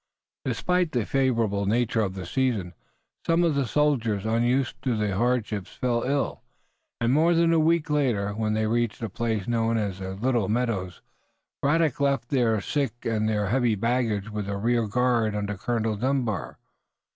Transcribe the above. Despite the favorable nature of the season some of the soldiers unused to hardships fell ill, and, more than a week later, when they reached a place known as the Little Meadows, Braddock left there the sick and the heavy baggage with a rear guard under Colonel Dunbar.